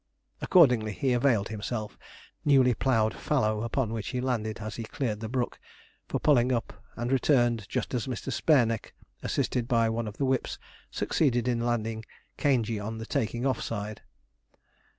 Accordingly, he availed himself of a heavy, newly ploughed fallow, upon which he landed as he cleared the brook, for pulling up, and returned just as Mr. Spareneck, assisted by one of the whips, succeeded in landing Caingey on the taking off side.